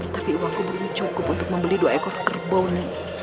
tapi uangku belum cukup untuk membeli dua ekor kerbau nih